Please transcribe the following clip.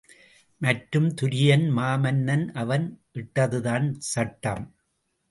மற்றும் துரியன் மாமன்னன் அவன் இட்டதுதான் சட்டம்.